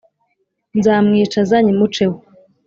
Nzamwicaza nyimuceho